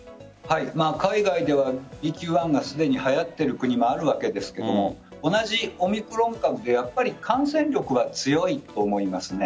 海外では、ＢＱ．１がすでにはやっている国もあるわけですが同じオミクロン株でやっぱり感染力は強いと思います。